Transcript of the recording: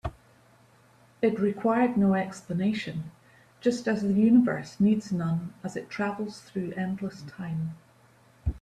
It required no explanation, just as the universe needs none as it travels through endless time.